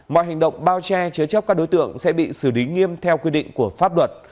mọi hành động bao che chứa chấp các đối tượng sẽ bị xử lý nghiêm theo quy định của pháp luật